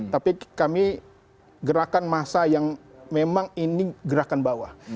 tapi kami gerakan massa yang memang ini gerakan bawah